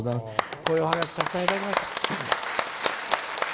こういうおハガキたくさんいただきました。